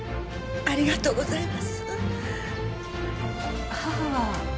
ありがとうございます。